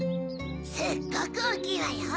すっごくおおきいわよ。